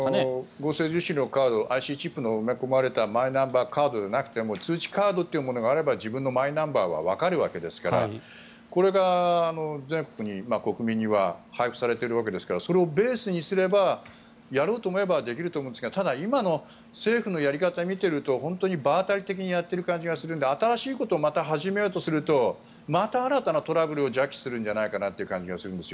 合成樹脂のカードＩＣチップが埋め込まれたマイナンバーカードじゃなくても通知カードというものがあれば自分のマイナンバーはわかるわけですからこれが全国の国民には配布されているわけですからそれをベースにすればやろうと思えばやれると思うんですがただ、今の政府のやり方を見ていると本当に場当たり的にやっているような気がして新しいことを始めようとするとまた新たなトラブルを惹起するんじゃないかという気がするんです。